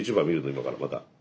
今からまた。